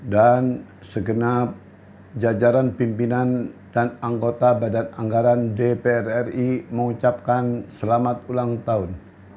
dan segenap jajaran pimpinan dan anggota badan anggaran dpr ri mengucapkan selamat ulang tahun